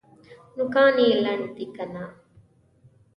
نوکان یې لنډ دي که نه؟